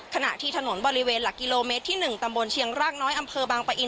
ขณะที่ถนนบริเวณหลักกิโลเมตรที่๑ตำบลเชียงรากน้อยอำเภอบางปะอิน